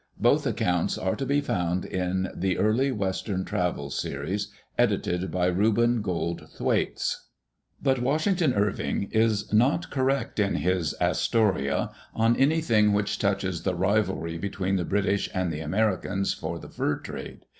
Both accounts are to be found in the Early Western Travels series, edited by Reuben Gold Thwaites. Digitized by VjOOQ IC EARLY DAYS IN OLD OREGON But Washington Irving is not correct in his Astoria on anything which touches the rivalry between the British and the Americans for the fur trade.